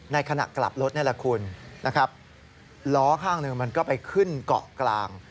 ขณะกลับรถนี่แหละคุณนะครับล้อข้างหนึ่งมันก็ไปขึ้นเกาะกลาง